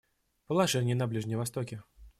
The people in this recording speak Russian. Положение на Ближнем Востоке.